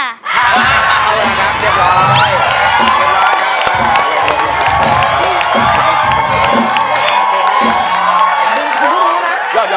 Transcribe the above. เอาล่ะเรียบร้อย